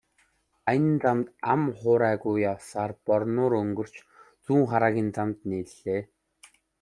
Аян замд ам хуурайгүй явсаар Борнуур өнгөрч Зүүнхараагийн замд нийллээ.